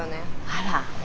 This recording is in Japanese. あら。